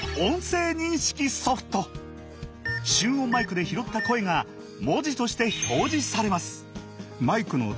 集音マイクで拾った声が文字として表示されます。